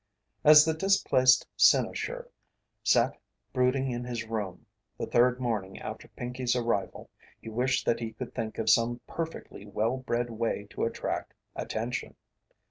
As the displaced cynosure sat brooding in his room the third morning after Pinkey's arrival he wished that he could think of some perfectly well bred way to attract attention.